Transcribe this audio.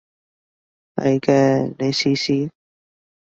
係嘅，你試試